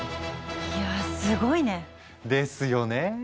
いやぁすごいね。ですよね。